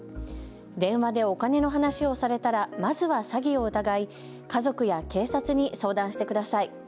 電話でお金の話をされたらまずは詐欺を疑い家族や警察に相談してください。